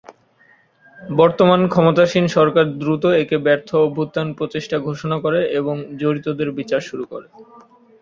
বর্তমান ক্ষমতাসীন সরকার দ্রুত একে ব্যর্থ অভ্যুত্থান প্রচেষ্টা ঘোষণা করে এবং জড়িতদের বিচার শুরু করে।